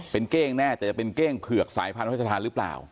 เป็นเก้งแน่แต่จะเป็นเก้งเผือกสายพันธทานหรือเปล่า